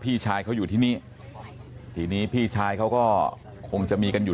พี่ชายเขาอยู่ที่นี่ทีนี้พี่ชายเขาก็คงจะมีกันอยู่